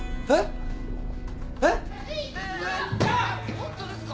ホントですか？